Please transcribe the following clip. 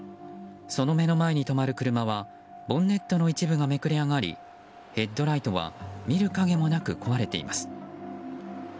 その目の前に止まる車はボンネットの一部がめくれ上がりヘッドライトは見る影もなく壊れています。